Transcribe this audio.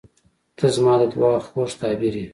• ته زما د دعا خوږ تعبیر یې.